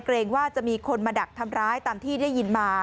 เกรงว่าจะมีคนมาดักทำร้ายตามที่ได้ยินมา